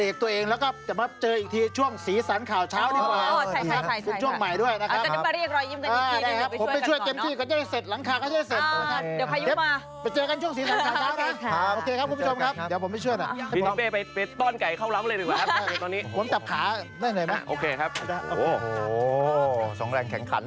โอเคครับโอ้โหส่องแรงแข่งขันอ่ะสงสารซุปเปอร์